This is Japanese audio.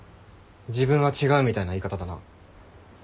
自分は違うみたいな言い方だな。